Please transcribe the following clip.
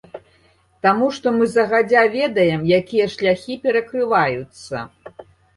Таму што мы загадзя ведаем, якія шляхі перакрываюцца.